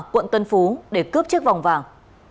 quận tân phú để cướp chiếc vòng vàng